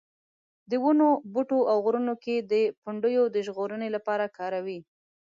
د ونو بوټو او غرونو کې د پنډیو د ژغورنې لپاره کاروي.